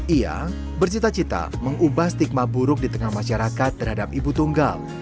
ia bercita cita mengubah stigma buruk di tengah masyarakat terhadap ibu tunggal